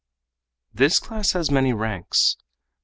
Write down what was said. "This class has many ranks.